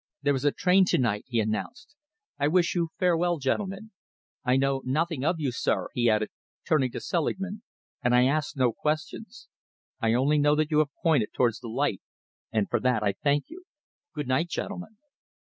"There is a train to night," he announced. "I wish you farewell, gentlemen. I know nothing of you, sir," he added, turning to Selingman, "and I ask no questions. I only know that you have pointed towards the light, and for that I thank you. Good night, gentlemen!"